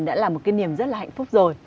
đã là một kinh nghiệm rất là hạnh phúc rồi